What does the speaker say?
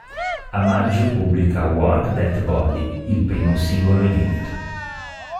A maggio pubblica "Work That Body", il primo singolo inedito.